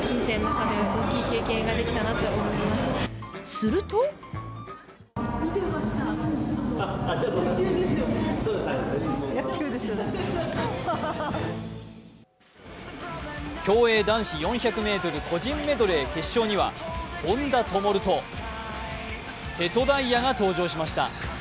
すると競泳男子４００ｍ個人メドレー決勝には本多灯と瀬戸大也が登場しました。